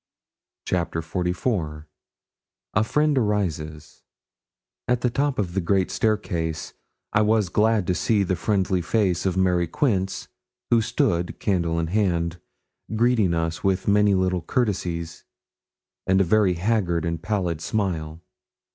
CHAPTER XLIV A FRIEND ARISES At the top of the great staircase I was glad to see the friendly face of Mary Quince, who stood, candle in hand, greeting us with many little courtesies, and a very haggard and pallid smile.